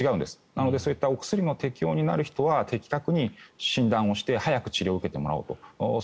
なので、そういったお薬の適用になる人は的確に診断をして早く治療を受けてもらおうと。